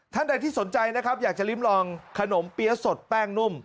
ท่านใดที่สนใจนะครับอยากจะลิ้มลองขนมเปี๊ยะสดแป้งนุ่ม